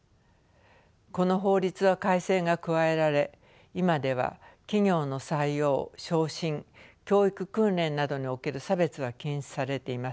この法律は改正が加えられ今では企業の採用昇進教育訓練などにおける差別は禁止されています。